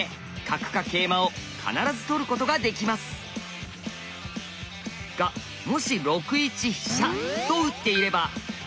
角か桂馬を必ず取ることができます！がもし６一飛車と打っていれば。